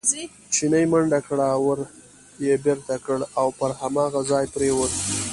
چیني منډه کړه، ور یې بېرته کړ او پر هماغه ځای پرېوت.